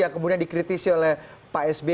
yang kemudian dikritisi oleh pak sby